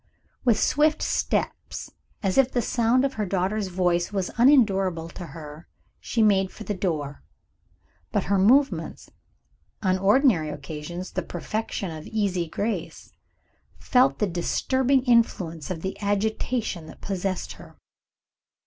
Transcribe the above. With swift steps, as if the sound of her daughter's voice was unendurable to her, she made for the door. But her movements, on ordinary occasions the perfection of easy grace, felt the disturbing influence of the agitation that possessed her.